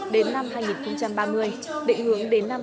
đến năm hai nghìn ba mươi định hướng đến năm hai nghìn bốn mươi năm